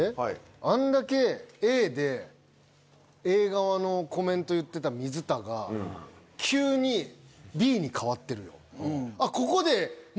あんだけＡでＡ側のコメント言ってた水田が急にＢに変わってるよ。